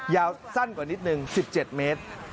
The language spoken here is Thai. ยาวสั้นกว่านิดนึง๑๗เมตร